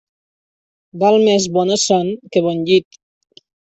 Val més bona son que bon llit.